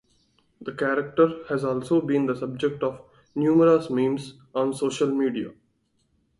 The character has also been the subject of numerous memes on social media.